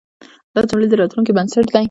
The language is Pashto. دا جملې د راتلونکي بنسټ دی.